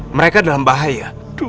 mereka dalam bahaya